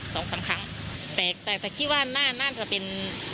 สองสามครั้งแปลกแต่คิดว่าน่าจะเป็น